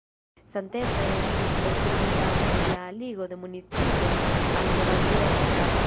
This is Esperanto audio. Samtempe estis konfirmita ankaŭ la aligo de municipoj al Moravia Ostrava.